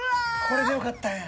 これでよかったんや。